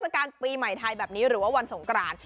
การปีใหม่ไทยแบบนี้หรือว่าวันสงกราน